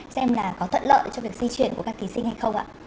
xem là có thuận lợi cho việc di chuyển của các thí sinh hay không ạ